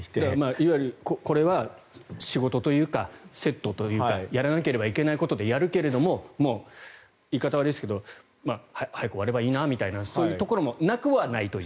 いわゆるこれは仕事というかセットというかやらなければいけないことでやるけれど言い方はあれですけど早く終わればいいなというところもそういうところもなくはないと。